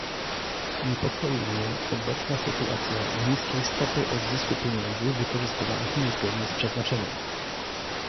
Niepokoi mnie obecna sytuacja niskiej stopy odzysku pieniędzy wykorzystywanych niezgodnie z przeznaczeniem